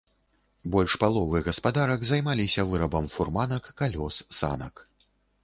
Больш паловы гаспадарак займаліся вырабам фурманак, калёс, санак.